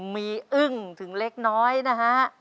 มีอึ้งถึงเล็กน้อยนะฮะ